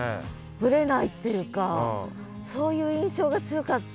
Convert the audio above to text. ぶれないっていうかそういう印象が強かった。